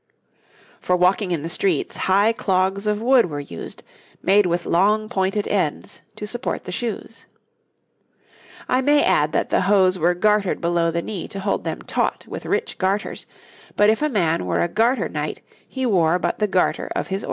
For walking in the streets high clogs of wood were used, made with long pointed ends to support the shoes. I may add that the hose were gartered below the knee to hold them taut with rich garters, but if a man were a Garter Knight he wore but the garter of his Order.